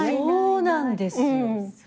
そうなんですよ。